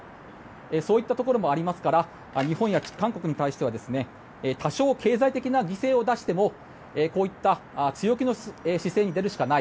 そういったところもありますから日本や韓国に対しては多少、経済的な犠牲を出してもこういった強気の姿勢に出るしかない。